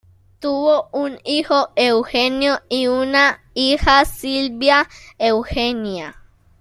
Tuvo un hijo, Eugenio y una hija, Silvia Eugenia.